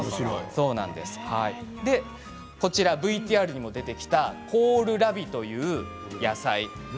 それからＶＴＲにも出てきたコールラビという野菜です。